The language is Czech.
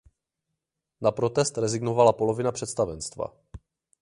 Na protest rezignovala polovina představenstva.